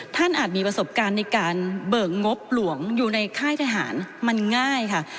อาจมีประสบการณ์ในการเบิกงบหลวงอยู่ในค่ายทหารมันง่ายค่ะ